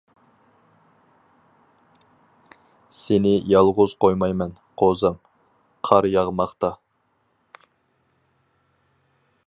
سېنى يالغۇز قويمايمەن، قوزام. قار ياغماقتا.